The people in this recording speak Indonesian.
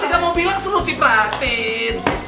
tapi kamu bilang selalu cipratin